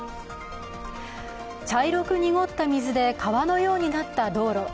茶色く濁った水で川のようになった道路。